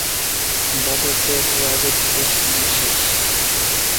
বাঁদরদের রাজত্বের সময় শেষ।